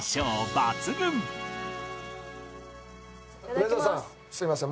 梅沢さんすいません。